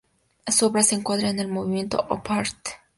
Su obra se encuadra en el movimiento Op-art.